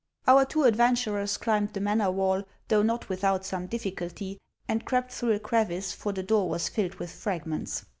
Our two adventurers climbed the manor wall, though not without some difficulty, and crept through a crevice, for the door was filled with fragments.